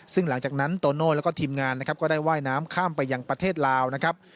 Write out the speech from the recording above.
ซึ่งหลังจากนั้นโตโน่แล้วก็ทีมงานนะครับก็ได้ว่ายน้ำข้ามไปยังประเทศลาวนะครับ